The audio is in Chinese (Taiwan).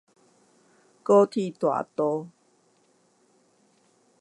高鐵大道